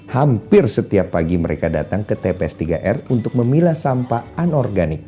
hampir setiap pagi mereka datang ke tps tiga r untuk memilah sampah anorganik